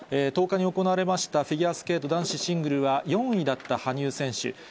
１０日に行われましたフィギュアスケート男子シングルは、４位だった羽生選手。